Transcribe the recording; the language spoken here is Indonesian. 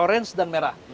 oranye dan merah